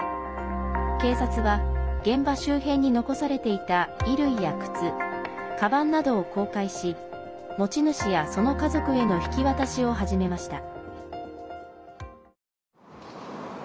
警察は現場周辺に残されていた衣類や靴、かばんなどを公開し持ち主や、その家族への引き渡しを始めました。